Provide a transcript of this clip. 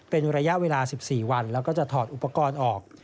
เป็นระยะเวลา๑๔วันแล้วก็จะถอดอุปกรณ์ออก